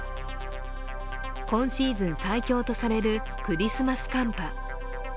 今シーズン最強とされるクリスマス寒波。